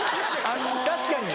確かに。